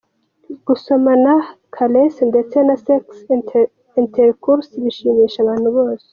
Gusomana, caresses ndetse na sex intercourse bishimisha abantu bose.